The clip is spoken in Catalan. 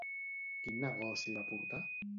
Quin negoci va portar?